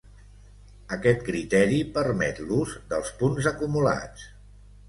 Aquest criteri permet l'ús dels punts acumulats.